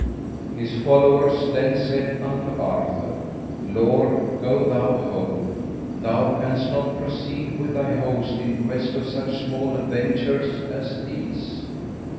His followers then said unto Arthur, "Lord, go thou home, thou canst not proceed with thy host in quest of such small adventures as these."